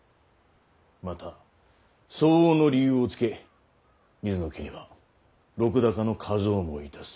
また相応の理由をつけ水野家には禄高の加増もいたす。